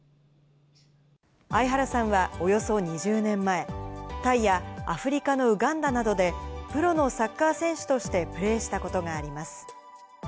相原さんはおよそ２０年前、タイやアフリカのウガンダなどで、プロのサッカー選手としてプレーしたことがあります。